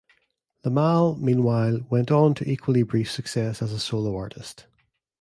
Limahl, meanwhile, went on to equally brief success as a solo artist.